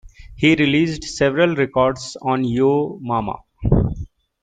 He released several records on Yo Mama.